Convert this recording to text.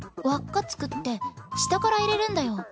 輪っか作って下から入れるんだよ。